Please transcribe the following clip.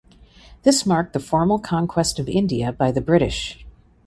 This marked the formal conquest of India by the British.